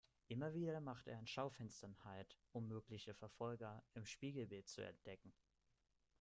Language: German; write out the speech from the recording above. Immer wieder macht er an Schaufenstern halt, um mögliche Verfolger im Spiegelbild zu entdecken.